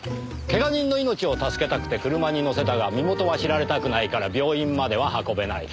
けが人の命を助けたくて車に乗せたが身元は知られたくないから病院までは運べない。